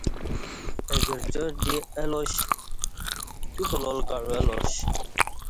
اہ گرجار دی اہ لاش تیو پلال کعو الاش